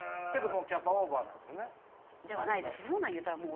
ではないです。